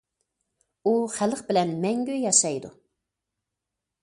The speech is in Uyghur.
ئۇ خەلق بىلەن مەڭگۈ ياشايدۇ.